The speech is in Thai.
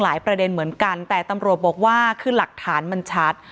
ประเด็นเหมือนกันแต่ตำรวจบอกว่าคือหลักฐานมันชัด